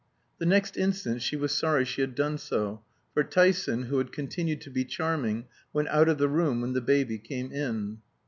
The next instant she was sorry she had done so, for Tyson, who had continued to be charming, went out of the room when the baby came in.